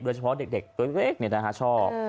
โดยเฉพาะเด็กตัวเล็กเนี่ยนะฮะชอบ